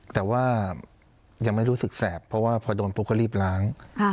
แต่ว่ายังไม่รู้สึกแสบเพราะว่าพอโดนปุ๊บก็รีบล้าง